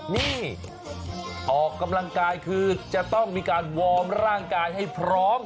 นี่ออกกำลังกายคือจะต้องมีการวอร์มร่างกายให้พร้อม